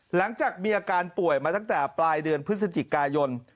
หลังจากมีอาการป่วยมาตั้งแต่ปลายเดือนพฤศจิกายน